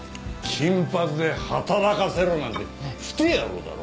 金髪で働かせろなんてふてぇ野郎だろ？